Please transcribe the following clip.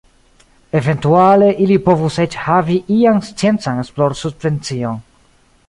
Eventuale ili povus eĉ havi ian sciencan esplorsubvencion.